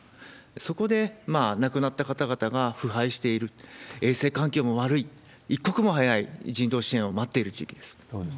そこで亡くなった方々が腐敗している、衛生環境も悪い、一刻も早い人道支援を待っている地域です。